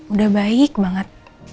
udah baik banget